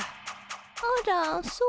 あらそう？